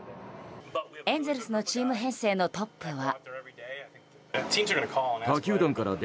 エンゼルスのチーム編成のトップは。